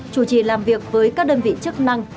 chủ trì làm việc với các đơn vị chức năng